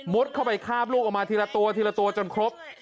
เข้าไปคาบลูกออกมาทีละตัวทีละตัวจนครบ